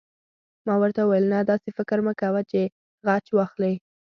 ما ورته وویل: نه، داسې فکر مه کوه چې غچ واخلې.